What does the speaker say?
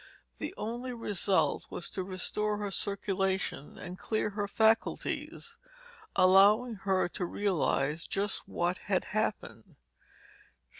The only result was to restore her circulation and clear her faculties, allowing her to realize just what had happened.